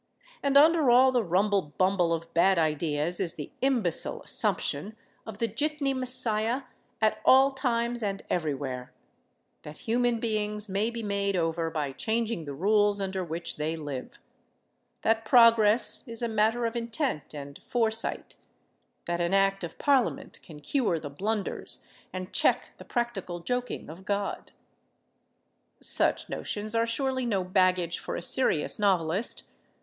And under all the rumble bumble of bad ideas is the imbecile assumption of the jitney messiah at all times and everywhere: that human beings may be made over by changing the rules under which they live, that progress is a matter of intent and foresight, that an act of Parliament can cure the blunders and check the practical joking of God. Such notions are surely no baggage for a serious novelist.